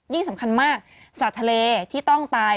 สำคัญมากสัตว์ทะเลที่ต้องตาย